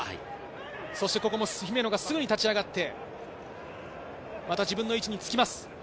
ここも姫野がすぐに立ち上がってまた自分の位置につきます。